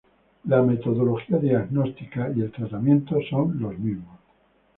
La metodología diagnóstica y el tratamiento son los mismos.